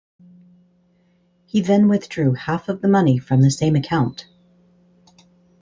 He then withdrew half of the money from the same account.